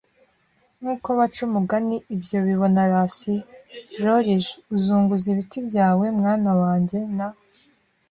nkuko baca umugani, ibyo bibona rasion. Joriji, uzunguza ibiti byawe, mwana wanjye, na